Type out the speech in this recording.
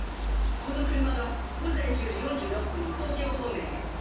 この車が午前１０時４６分に東京方面へ。